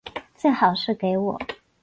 最好是给我